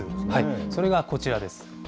それがこちらです。